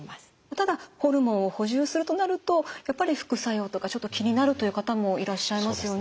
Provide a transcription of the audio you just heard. ただホルモンを補充するとなるとやっぱり副作用とかちょっと気になるという方もいらっしゃいますよね。